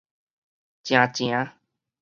成成